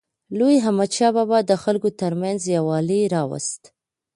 لوی احمدشاه بابا د خلکو ترمنځ یووالی راوست.